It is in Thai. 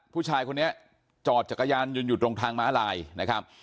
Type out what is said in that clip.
ผู้ชายคนนี้จอดจักรยานยนต์อยู่ตรงทางม้าลายนะครับ